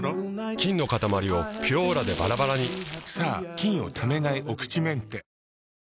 菌のかたまりを「ピュオーラ」でバラバラにさぁ菌をためないお口メンテ。